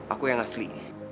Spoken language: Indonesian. aku yang asli